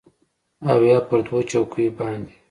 او یا پر دوو چوکیو باندې